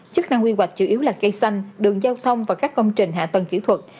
chức năng quy hoạch chủ yếu là cây xanh đường giao thông và các công trình hạ tầng kỹ thuật